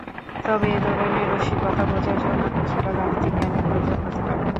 তবে এ ধরনের রসিকতা বোঝার জন্যে কিছুটা গাণিতিক জ্ঞানের প্রয়োজন হতে পারে।